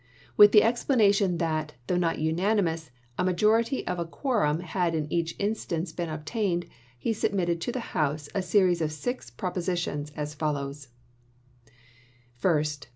With the explanation that, though not unanimous, a majority of a quorum had in each instance been obtained, he submitted to the House a series of six propositions, as follows : First.